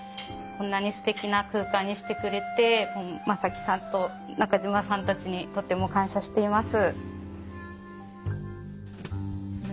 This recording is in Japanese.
こんなにすてきな空間にしてくれて真己さんと中島さんたちにとても感謝しています。